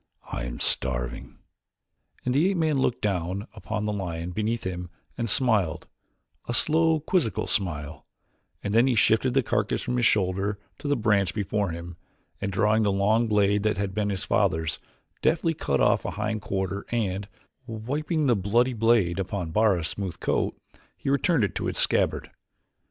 I am starving," and the ape man looked down upon the lion beneath him and smiled, a slow quizzical smile, and then he shifted the carcass from his shoulder to the branch before him and, drawing the long blade that had been his father's, deftly cut off a hind quarter and, wiping the bloody blade upon Bara's smooth coat, he returned it to its scabbard.